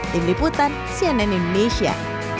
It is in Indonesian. diliputan cnn indonesia